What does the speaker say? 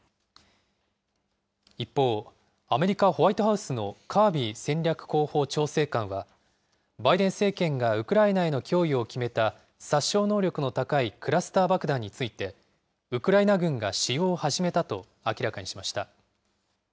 一方、アメリカ・ホワイトハウスのカービー戦略広報調整官は、バイデン政権がウクライナへの供与を決めた殺傷能力の高いクラスター爆弾について、ウクライナ軍が使用を始めたと明らかにしました。